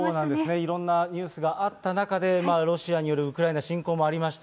いろんなニュースがあった中で、ロシアによるウクライナ侵攻もありました。